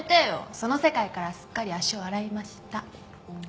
その世界からはすっかり足を洗いました。